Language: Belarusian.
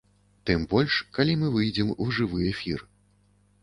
Тым больш калі мы выйдзем у жывы эфір.